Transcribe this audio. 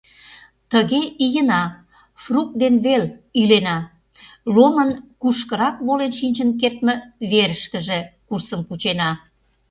Тыге ийына, фрукт дене веле илена, Ломын кушкырак волен шинчын кертме верышкыже курсым кучена.